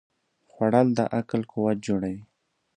خوړل د عقل قوت جوړوي